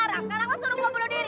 karena gue suruh gue bunuh diri